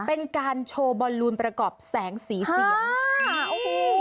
เป็นการโชว์บอลลูนประกอบแสงสีเสียงโอ้โห